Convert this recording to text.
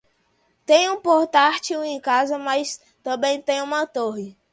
Tenho um portátil em casa mas também tenho uma torre.